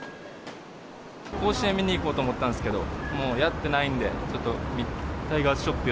甲子園、見に行こうと思ったんですけど、もうやってないんで、ちょっとタイガースショップ